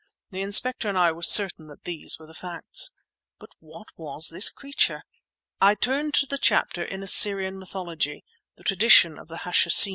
The inspector and I were certain that these were the facts. But what was this creature? I turned to the chapter in "Assyrian Mythology"—"The Tradition of the Hashishin."